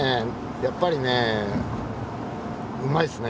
やっぱりねうまいっすね。